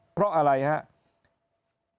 เพราะอะไรครับ